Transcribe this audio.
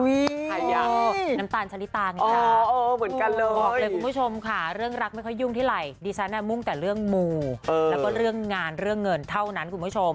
น้ำตาลชะลิตาไงจ๊ะเหมือนกันเลยบอกเลยคุณผู้ชมค่ะเรื่องรักไม่ค่อยยุ่งเท่าไหร่ดิฉันมุ่งแต่เรื่องมูแล้วก็เรื่องงานเรื่องเงินเท่านั้นคุณผู้ชม